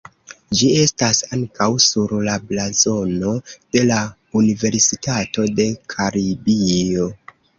Ĝi estas ankaŭ sur la blazono de la Universitato de Karibio.